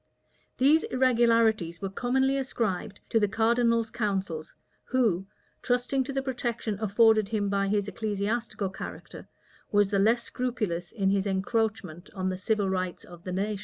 These irregularities were commonly ascribed to the cardinal's counsels, who, trusting to the protection afforded him by his ecclesiastical character, was the less scrupulous in his encroachment on the civil rights of the nation.